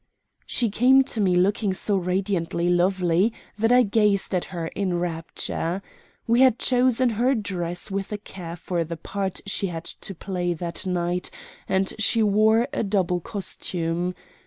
She came to me looking so radiantly lovely that I gazed at her in rapture. We had chosen her dress with a care for the part she had to play that night, and she wore a double costume.